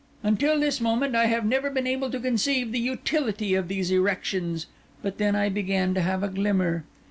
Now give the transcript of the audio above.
Until this moment I have never been able to conceive the utility of these erections; but then I began to have a glimmer.